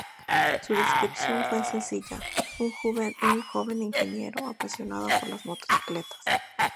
Su descripción fue sencilla: "Un joven ingeniero apasionado por las motocicletas".